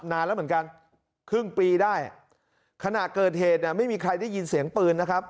นานแล้วเหมือนกันครึ่งปีได้ขณะเกิดเหตุเนี่ยไม่มีใครได้ยินเสียงปืนนะครับ